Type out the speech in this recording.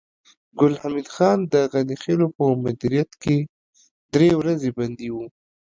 ګل حمید خان د غني خېلو په مدیریت کې درې ورځې بندي و